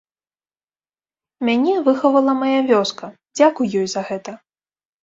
Мяне выхавала мая вёска, дзякуй ёй за гэта.